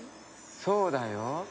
そうだよ。